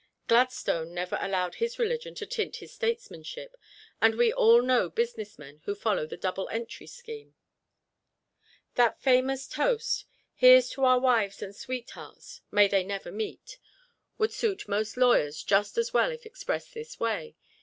Gladstone never allowed his religion to tint his statesmanship, and we all know businessmen who follow the double entry scheme. That famous French toast, "Here's to our wives and sweethearts may they never meet!" would suit most lawyers just as well if expressed this way.